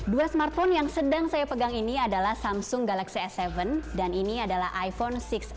dua smartphone yang sedang saya pegang ini adalah samsung galaxy s tujuh dan ini adalah iphone enam